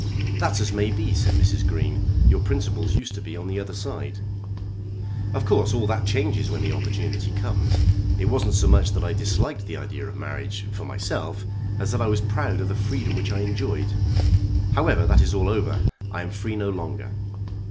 "That's as may be," said Mrs. Green. "Your principles used to be on the other side." "Of course all that changes when the opportunity comes. It wasn't so much that I disliked the idea of marriage, for myself, as that I was proud of the freedom which I enjoyed. However that is all over. I am free no longer."